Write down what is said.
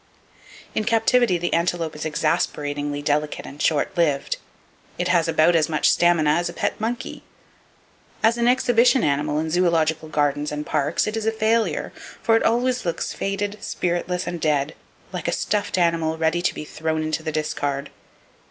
In captivity the antelope is exasperatingly delicate and short lived. It has about as much stamina as a pet monkey. As an exhibition animal in zoological gardens and parks it is a failure; for it always looks faded, spiritless and dead, like a stuffed animal ready to be thrown into the discard.